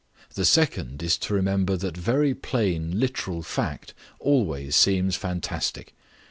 The second is to remember that very plain literal fact always seems fantastic.